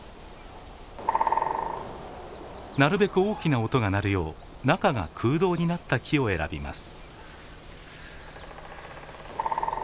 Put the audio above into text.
なるべく大きな音が鳴るよう中が空洞になった木を選びます。